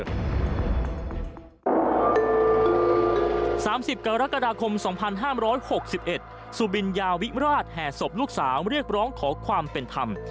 ๓๐กรกฎาคม๒๕๖๑สุบินยาวิราชแห่ศพลูกสาวเรียกร้องขอความเป็นธรรม